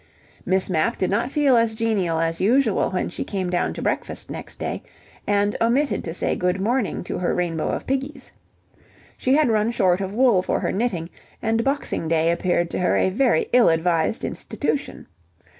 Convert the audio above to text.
Miss Mapp did not feel as genial as usual when she came down to breakfast next day, and omitted to say good morning to her rainbow of piggies. She had run short of wool for her knitting, and Boxing Day appeared to her a very ill advised institution.